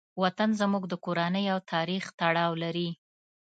وطن زموږ د کورنۍ او تاریخ تړاو لري.